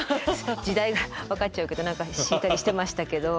時代が分かっちゃうけど何か敷いたりしてましたけど。